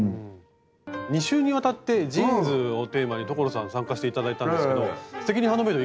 ２週にわたってジーンズをテーマに所さん参加して頂いたんですけど「すてきにハンドメイド」